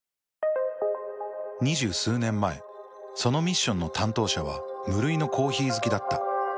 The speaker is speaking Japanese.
２０数年前そのミッションの担当者は無類のコーヒー好きだった。